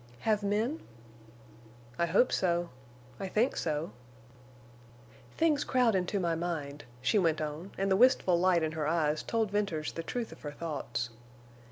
"Have men?" "I hope so—I think so." "Things crowd into my mind," she went on, and the wistful light in her eyes told Venters the truth of her thoughts.